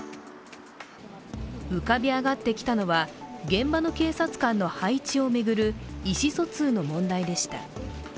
浮かび上がってきたのは現場の警察官の配置を巡る意思疎通の問題でした。